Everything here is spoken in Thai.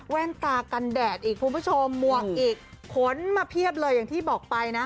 ตากันแดดอีกคุณผู้ชมหมวกอีกขนมาเพียบเลยอย่างที่บอกไปนะ